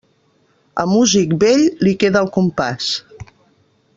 Al músic vell, li queda el compàs.